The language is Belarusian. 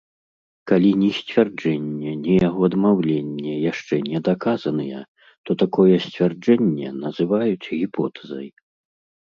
Калі ні сцвярджэнне, ні яго адмаўленне яшчэ не даказаныя, то такое сцвярджэнне называюць гіпотэзай.